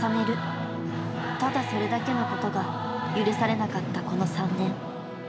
ただそれだけのことが許されなかったこの３年。